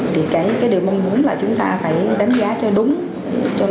thì cái điều mong muốn là chúng ta phải đánh giá cho đúng cho nó xác